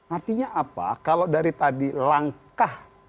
artinya apa kalau dari tadi langkah